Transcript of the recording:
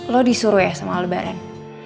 lo disuruh ya sama lebaran